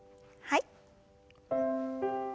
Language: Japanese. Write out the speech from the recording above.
はい。